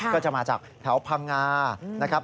ก็จะมาจากแถวพังงานะครับ